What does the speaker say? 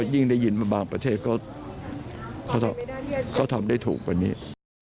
ยิ่งได้ยินว่าบางประเทศเขาทำได้ถูกกว่านี้